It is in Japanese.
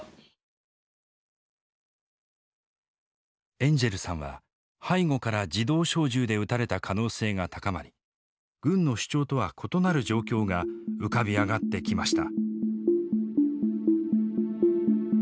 エンジェルさんは背後から自動小銃で撃たれた可能性が高まり軍の主張とは異なる状況が浮かび上がってきました。